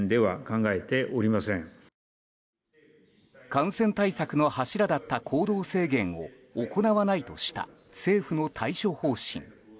感染対策の柱だった行動制限を行わないとした政府の対処方針。